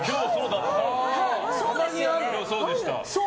今日そうでした。